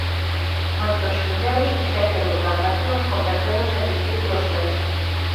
Moitos xudeus e xente doutras nacións convertéronse en discípulos seus.